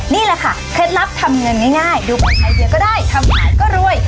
นี่แหละค่ะเคล็ดลับทำเงินง่ายดูคนไทยเยอะก็ได้ทำอาหารก็รวย